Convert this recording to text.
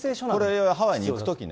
これ、ハワイに行くときに。